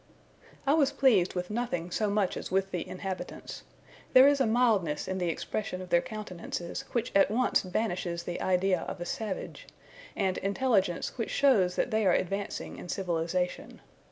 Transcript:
I was pleased with nothing so much as with the inhabitants. There is a mildness in the expression of their countenances which at once banishes the idea of a savage; and intelligence which shows that they are advancing in civilization.